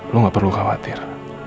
lo gak perlu khawatir